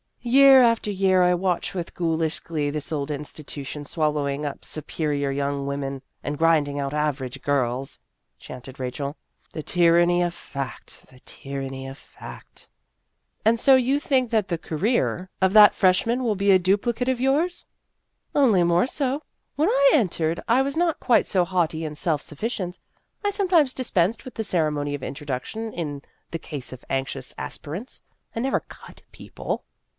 " Year after year I watch with ghoulish glee this old institution swallowing up su perior young women, and grinding out average girls," chanted Rachel, " the tyranny of fact, the tyranny of fact !"" And so you think that the career of 194 Vassar Studies that freshman will be a duplicate of yours ?"" Only more so. When I entered, I was not quite so haughty and self suffi cient ; I sometimes dispensed with the ceremony of introduction in the case of anxious aspirants. I never ' cut ' people."